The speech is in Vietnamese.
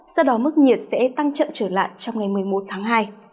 sau đó mức nhiệt sẽ tăng chậm trở lại trong ngày một mươi một tháng hai